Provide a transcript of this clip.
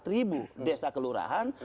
tujuh puluh empat ribu desa kelurahan